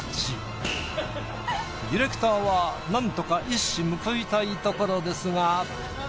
ディレクターはなんとか一矢報いたいところですが。